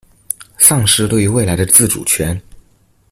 喪失對於未來的自主權